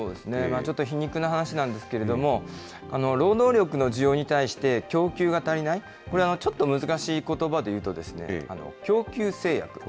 ちょっと皮肉な話なんですけれども、労働力の需要に対して供給が足りない、これはちょっと難しいことばで言うと、供給制約。